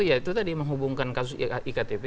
ya itu tadi menghubungkan kasus iktp